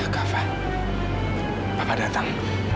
kafa papa datang